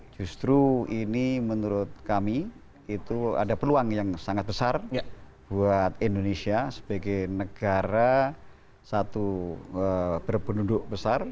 justru ini menurut kami itu ada peluang yang sangat besar buat indonesia sebagai negara satu berpenuduk besar